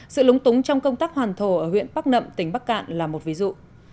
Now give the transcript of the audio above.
sự lúng túng trong công tác hoàn thổ ở huyện bắc nậm tỉnh bắc cạn là một ví dụ